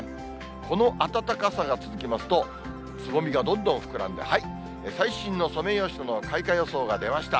この暖かさが続きますと、つぼみがどんどん膨らんで、最新のソメイヨシノの開花予想が出ました。